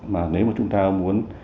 mà nếu mà chúng ta muốn